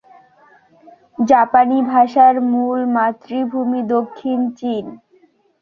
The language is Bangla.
জাপানি ভাষার মূল মাতৃভূমি দক্ষিণ চীন।